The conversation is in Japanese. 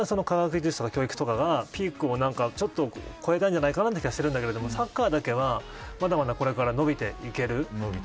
科学技術や教育がピークを越えたんじゃないかなという気がしてるんだけどサッカーだけはまだまだこれから伸びていける。